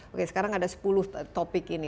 oke sekarang ada sepuluh topik ini